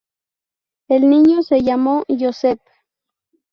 El niño se llamó Joseph.